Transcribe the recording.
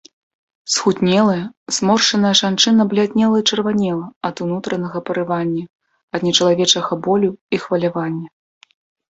Схуднелая, зморшчаная жанчына бляднела і чырванела ад унутранага парывання, ад нечалавечага болю і хвалявання.